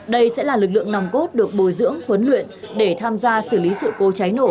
đây sẽ là lực lượng nòng cốt được bồi dưỡng huấn luyện để tham gia xử lý sự cố cháy nổ